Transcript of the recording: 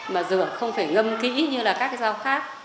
mà rửa không phải ngâm kỹ như là các rau khác